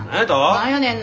何やねんな。